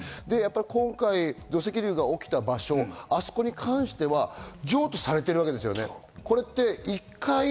今回、土石流が起きた場所に関しては、上記されているわけですよね。